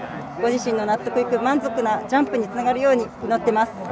ご自身の納得いく満足なジャンプにつながるように祈っています。